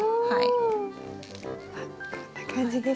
はい。